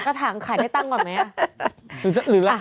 ถางขายได้ตั้งก่อนไหม